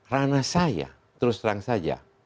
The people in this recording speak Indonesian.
rana saya terus terang saja